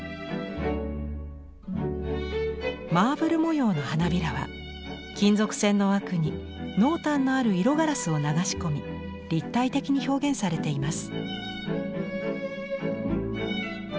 マーブル模様の花びらは金属線の枠に濃淡のある色ガラスを流し込み立体的に表現されています。